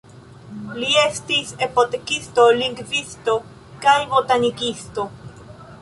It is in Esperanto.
Li estis apotekisto, lingvisto kaj botanikisto.